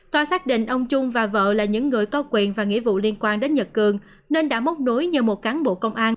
tòa xác định ông trung và vợ là những người có quyền và nghĩa vụ liên quan đến nhật cường nên đã móc nối nhờ một cán bộ công an